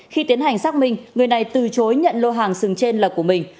khi tiến hành xác minh người này từ chối nhận lô hàng sừng trên là của mình